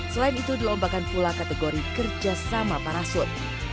selain itu dilombakan pula kategori kerjasama parasut